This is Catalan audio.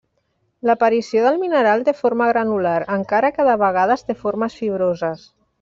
L'aparició del mineral té forma granular, encara que de vegades té formes fibroses.